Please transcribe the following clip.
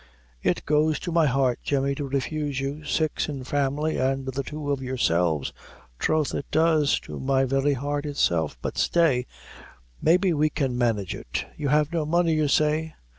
"It goes to my heart, Jemmy, to refuse you six in family, an' the two of yourselves. Troth it does, to my very heart itself; but stay, maybe we may manage it. You have no money, you say?"